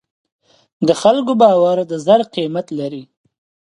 د خلکو باور د زر قیمت لري.